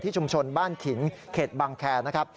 ที่ชุมชนบ้านขิงเข็ดบางแคร์